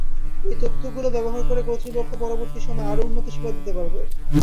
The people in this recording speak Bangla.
এই তথ্যগুলো ব্যবহার করে কর্তৃপক্ষ পরবর্তী সময় আরও উন্নত সেবা দিতে পারবে।